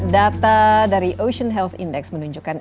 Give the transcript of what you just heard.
data dari ocean health index menunjukkan